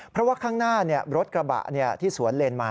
เพราะว่าข้างหน้ารถกระบะที่สวนเลนมา